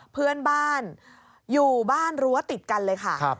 เพื่อนบ้านอยู่บ้านรั้วติดกันเลยค่ะ